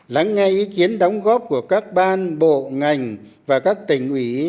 lắng nghe ý kiến đóng góp của các ban bộ ngành và các tỉnh ủy